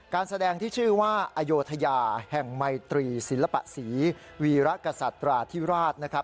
การแสดงที่ชื่อว่าอโยธยาแห่งไมตรีศิลปศรีวีรกษัตราธิราชนะครับ